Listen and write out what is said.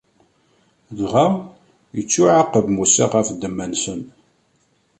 Dɣa, ittuɛaqeb Musa ɣef ddemma-nsen.